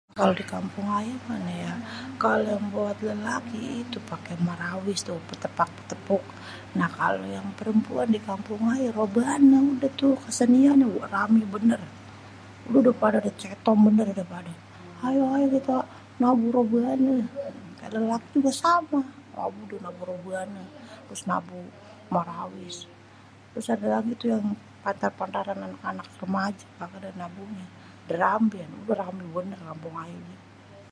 Kalo di kampung ayê mêh ni yah, kalo yang buat yang lelaki itu pake marawis tuh pêtêpak pêtêpuk, nah kalau perempuan dikampung ayê robanê udêh tuh keseniannyê ruamee bénér. udêh dêh padê cétom bênêr padé, ayo ayo kita nabu robanê yang lelaki juga samê nabu robanê terus nabu marawis. terus adê lagi tuh yang pantaran anak-anak remajê padê nabunyê dêramben udêh ruamé bênêr kampung ayê nih.